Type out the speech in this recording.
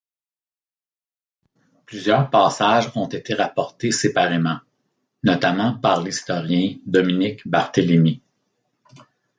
Plusieurs passages ont été rapportés séparément, notamment par l’historien Dominique Barthélémy.